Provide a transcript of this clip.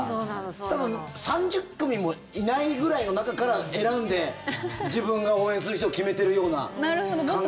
多分、３０組もいないぐらいの中から選んで自分が応援する人を決めているような感覚。